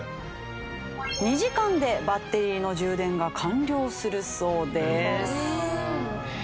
２時間でバッテリーの充電が完了するそうです。